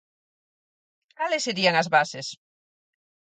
Cales serían as bases?